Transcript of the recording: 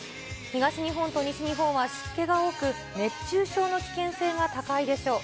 東日本と西日本は湿気が多く、熱中症の危険性が高いでしょう。